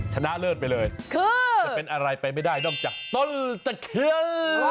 ชนะเลิศไปเลยคือจะเป็นอะไรไปไม่ได้นอกจากต้นตะเคียน